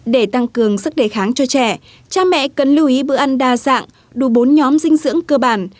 để tăng cường sức đề kháng cho trẻ cha mẹ cần lưu ý bữa ăn đa dạng đủ bốn nhóm dinh dưỡng cơ bản